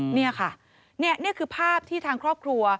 นี่ค่ะนี่คือภาพที่ทางครอบครัว